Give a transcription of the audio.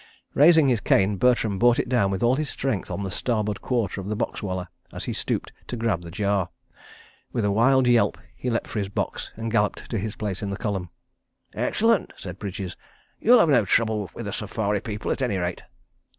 Raising his cane, Bertram brought it down with all his strength on the starboard quarter of the box wallah as he stooped to grab the jar. With a wild yelp, he leapt for his box and galloped to his place in the column. "Excellent!" said Bridges, "you'll have no trouble with the safari people, at any rate."